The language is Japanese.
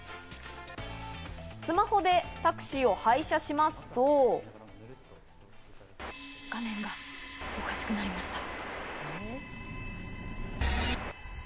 スマホでタクシーを配車しますと、画面がおかしくなりました。